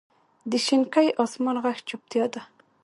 د شینکي اسمان ږغ چوپتیا ده.